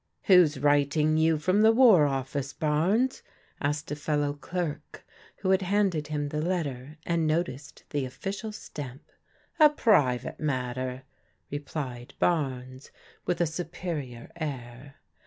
"Who's writing you from the War Office, Bames?" asked a fellow clerk, who had handed him the letter, and noticed the official stamp. " A private matter," replied Bames, with a superior air.